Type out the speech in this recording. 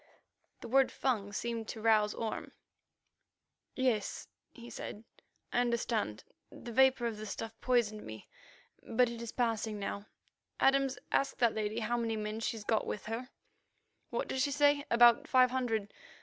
The word Fung seemed to rouse Orme. "Yes," he said; "I understand. The vapour of the stuff poisoned me, but it is passing now. Adams, ask that lady how many men she's got with her. What does she say? About five hundred?